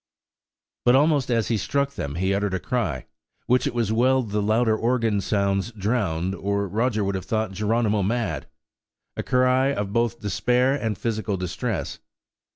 But almost as he struck them, he uttered a cry, which it was well the louder organ sounds drowned, or Roger would have thought Geronimo mad–a cry of both despair and physical distress.